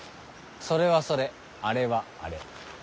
それはそれあれはあれ。